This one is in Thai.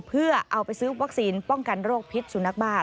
เพื่อเอาไปซื้อวัคซีนป้องกันโรคพิษสุนัขบ้า